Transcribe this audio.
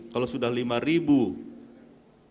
kalau sudah lima per jam